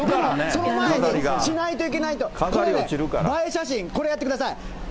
その前にしないといけないこと、これね、映え写真、これやってください。